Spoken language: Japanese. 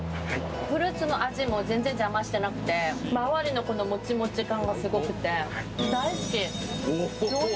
フルーツの味も全然邪魔してなくて、周りのもちもち感がすごくで、大好き、上品。